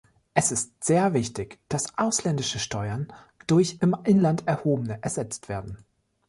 Es ist sehr wichtig, dass ausländische Steuern durch im Inland erhobene ersetzt werden.